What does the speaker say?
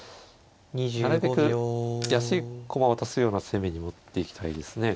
なるべく安い駒を渡すような攻めに持っていきたいですね。